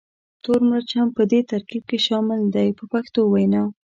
تور مرچ هم په دې ترکیب کې شامل دی په پښتو وینا.